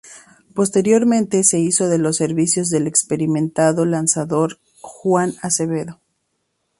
Posteriormente se hizo de los servicios del experimentado Lanzador Juan Acevedo.